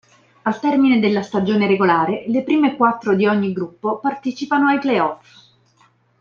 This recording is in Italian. Al termine della stagione regolare, le prime quattro di ogni gruppo partecipano ai playoff.